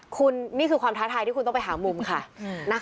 คุณนี่คือความท้าทายที่คุณต้องไปหามุมค่ะ